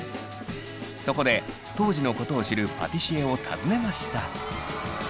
そこで当時のことを知るパティシエを訪ねました。